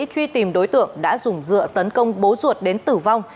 truy tìm đối tượng đã dùng dựa tấn công bố ruột đến tử vong